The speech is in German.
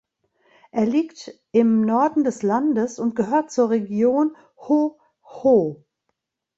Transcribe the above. Er liegt im Norden des Landes und gehört zur Region Hhohho.